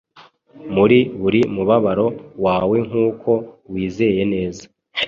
Muri buri mubabaro wawenkuko wizeye neza